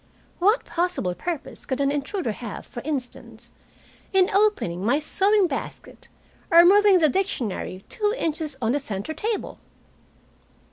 What possible purpose could an intruder have, for instance, in opening my sewing basket or moving the dictionary two inches on the center table?